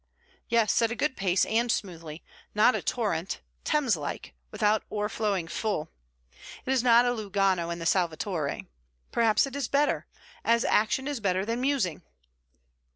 'Yes, at a good pace and smoothly: not a torrent Thames like, "without o'erflowing full." It is not Lugano and the Salvatore. Perhaps it is better: as action is better than musing.'